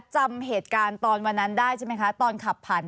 แต่ว่าในคลิปมันมีแค่นั้น